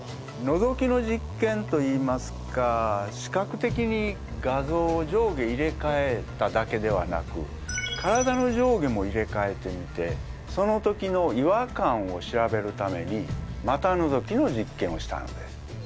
のぞきの実験といいますか視覚的に画像を上下入れかえただけではなく体の上下も入れかえてみてその時の違和感を調べるために股のぞきの実験をしたんです。